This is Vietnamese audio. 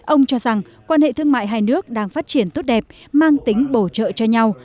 ông cho rằng quan hệ thương mại hai nước đang phát triển tốt đẹp mang tính bổ trợ cho nhau